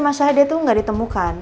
masalahnya dia tuh gak ditemukan